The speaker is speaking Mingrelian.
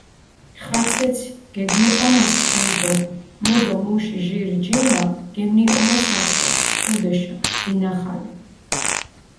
ხაცეცი გეგმეჸონეს ცხენს დო მუ დო მუში ჟირ ჯიმა გემნიჸონეს აშო, ჸუდეშა, დინახალე.